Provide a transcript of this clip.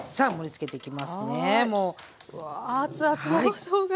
うわあ熱々のしょうが